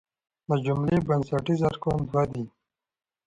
د جملې بنسټیز ارکان دوه دي.